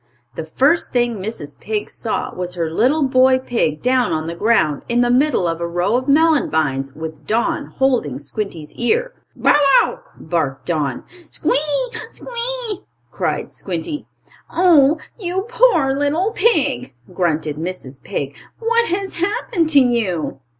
The first thing Mrs. Pig saw was her little boy pig down on the ground in the middle of a row of melon vines, with Don holding Squinty's ear. "Bow wow!" barked Don. "Squee! Squee!" cried Squinty. "Oh, you poor little pig!" grunted Mrs. Pig. "What has happened to you?"